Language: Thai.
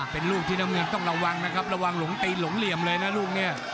เป็นลูกที่น้ำเงินต้องระวังนะครับระวังหลงตีนหลงเหลี่ยมเลยนะลูกเนี่ย